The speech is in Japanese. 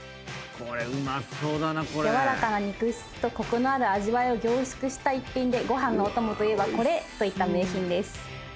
軟らかな肉質とコクのある味わいを凝縮した一品でご飯のおともといえばこれといった名品です。